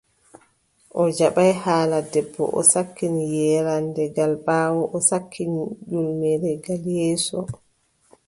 O jaɓaay haala debbo, o sakkini yeeraande gal ɓaawo, o sakkini ƴulmere gal yeeso.